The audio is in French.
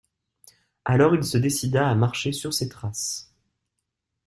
Alors il se décida à marcher sur ses traces.